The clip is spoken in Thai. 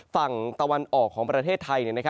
ฝั่งตะวันออกของประเทศไทย